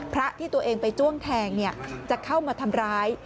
พระที่ตัวเองไปจ้วงแทงจะเข้ามาทำร้าย